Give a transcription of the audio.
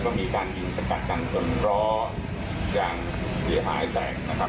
แล้วก็มีการยิงสกัดตั้งจนรออย่างเสียหายแรงนะครับ